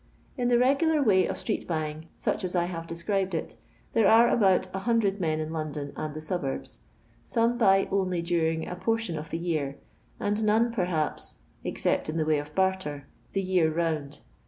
In the regular way of street bu3ring, such as I have described it, there are about 100 men in London and the suburbs. Some buy only during a portion of the year, and none perhaps (except in the way of barter) the year round.